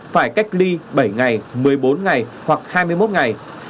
phải cách ly bảy ngày một mươi bốn ngày hoặc hai mươi một ngày